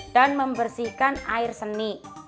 dan membersihkan air seni